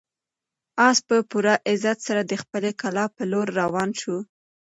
آس په پوره عزت سره د خپلې کلا په لور روان شو.